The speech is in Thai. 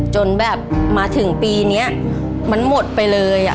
จนแบบมาถึงปีนี้มันหมดไปเลย